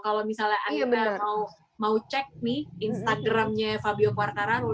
kalau misalnya anda mau cek nih instagramnya fabio quartararu